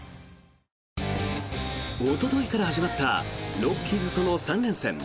おとといから始まったロッキーズとの３連戦。